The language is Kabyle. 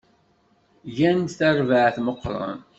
Gan-d tarbaɛt meqqren.